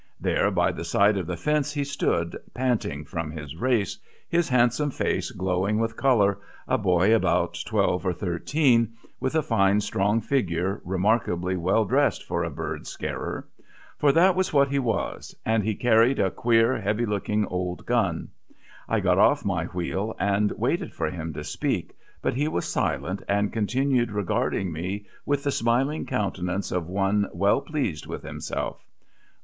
There by the side of the fence he stood, panting from his race, his handsome face glowing with colour, a boy about twelve or thirteen, with a fine strong figure, remarkably well dressed for a bird scarer. For that was what he was, and he carried a queer, heavy looking old gun. I got off my wheel and waited for him to speak, but he was silent, and continued regarding me with the smiling countenance of one well pleased with himself.